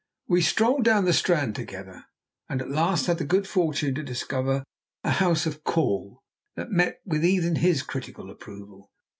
We strolled down the Strand together, and at last had the good fortune to discover a "house of call" that met with even his critical approval.